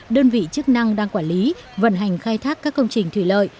đơn vị chức năng đang quản lý vận hành khai thác các công trình thủy lợi